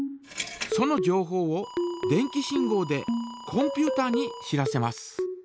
そのじょうほうを電気信号でコンピュータに知らせます。